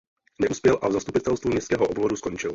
Neuspěl a v zastupitelstvu městského obvodu skončil.